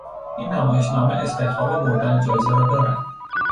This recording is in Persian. این نمایشنامه استحقاق بردن جایزه را دارد.